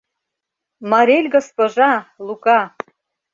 — Марель госпожа, Лука!